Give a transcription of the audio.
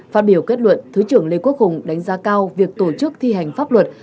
phát biểu kết luận thứ trưởng lê quốc hùng đánh giá cao việc tổ chức thi hành pháp luật